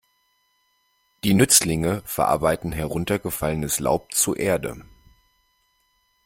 Die Nützlinge verarbeiten heruntergefallenes Laub zu Erde.